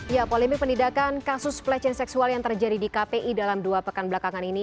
ya polemik penindakan kasus pelecehan seksual yang terjadi di kpi dalam dua pekan belakangan ini